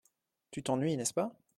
Tu t'ennuies, n'est-ce pas ?